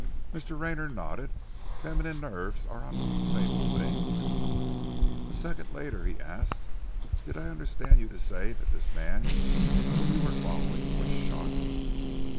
Mr. Rayner nodded. "Feminine nerves are unstable things." A second later he asked, "Did I understand you to say that this man whom you were following was shot?"